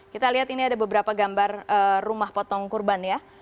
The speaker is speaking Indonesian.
kita lihat ini ada beberapa gambar rumah potong kurban ya